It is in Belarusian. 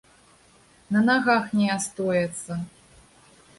На нагах ні астояцца.